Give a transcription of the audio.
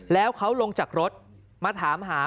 แล้วเขาลงจากรถมาถามหา